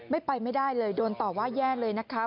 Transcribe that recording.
ไม่ไปไม่ได้เลยโดนต่อว่าแย่เลยนะคะ